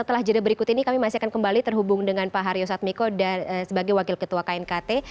setelah jeda berikut ini kami masih akan kembali terhubung dengan pak haryo satmiko sebagai wakil ketua knkt